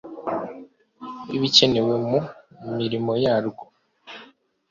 w ibikenewe mu mirimo yarwo